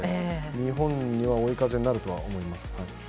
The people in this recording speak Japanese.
日本には追い風になると思います。